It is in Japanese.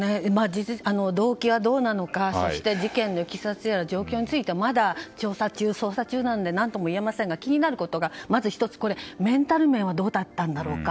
動機はどうなのかそして、事件のいきさつやら状況についてはまだ調査中、捜査中なので何とも言えませんが気になることが、まず１つメンタル面はどうだったんだろうか。